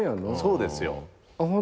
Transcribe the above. そうですよ。